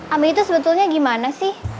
amin itu sebetulnya gimana sih